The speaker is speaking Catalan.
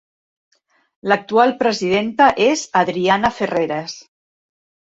L'actual presidenta és Adriana Ferreres.